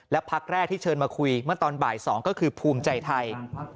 และพักแรกที่เชิญมาคุยเมื่อตอนบ่าย๒ก็คือภูมิใจไทย